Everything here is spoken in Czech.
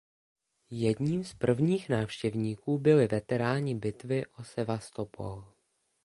Jedním z prvních návštěvníků byli veteráni bitvy o Sevastopol.